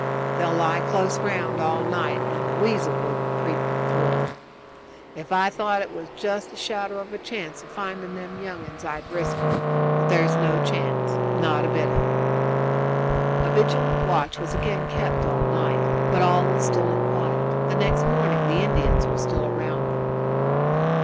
They'll lie close round all night, and a weasel wouldn't creep through 'em. Ef I thought there was jest a shadow of chance of finding them young uns I'd risk it; but there's no chance not a bit of it." A vigilant watch was again kept up all night, but all was still and quiet. The next morning the Indians were still round them.